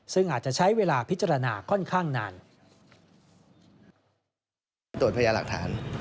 ซึ่งอาจจะใช้เวลาพิจารณาค่อนข้างนาน